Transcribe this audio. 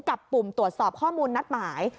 ปุ่มตรวจสอบข้อมูลนัดหมาย